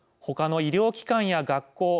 ほかの医療機関や学校